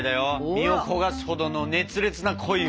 身を焦がすほどの熱烈な恋を。